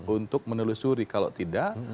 untuk menelusuri kalau tidak